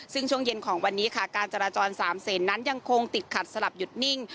ซึ่งช่วงเย็นของวันนี้ค่ะการจราจร๓เซนนั้นยังคงติดขัดสลับหยุดนิ่ง